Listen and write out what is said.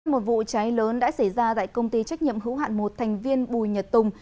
một vụ cháy lớn đã xảy ra tại công ty trách nhiệm hữu hạn một thành viên bùi nhật tùng